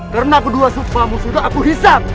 karena kedua supamu sudah aku hisap